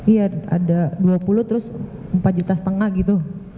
iya ada dua puluh terus empat juta setengah gitu